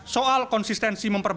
soal konsistensi memperbaiki